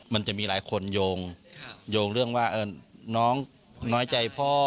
มันจะมีหลายคนโยงเรื่องว่าน้องน้อยใจพ่อ